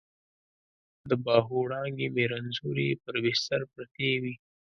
د باهو وړانګې مې رنځورې پر بستر پرتې وي